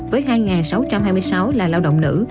với hai sáu trăm hai mươi sáu là lao động nữ